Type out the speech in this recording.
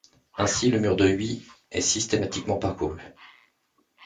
Ainsi le mur de Huy est systématiquement parcouru.